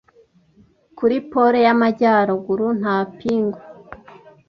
Kuri Pole y'Amajyaruguru, nta pingwin.